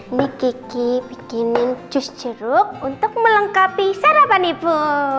ini kiki bikinin jus jeruk untuk melengkapi sarapan ibu